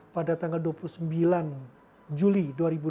pada tanggal dua puluh sembilan juli dua ribu delapan belas